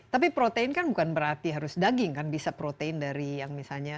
tapi protein kan bukan berarti harus daging kan bisa protein dari yang misalnya